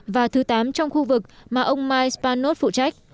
và thứ tám trong khu vực mà ông mike spanos phụ trách